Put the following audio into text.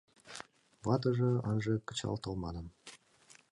Ватыже — ынже кычалтыл манын.